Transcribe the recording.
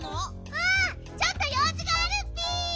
うんちょっとようじがあるッピ！